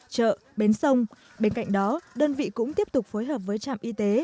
chợ bến sông bên cạnh đó đơn vị cũng tiếp tục phối hợp với trạm y tế